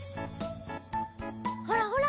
ほらほら！